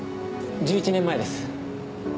１１年前です。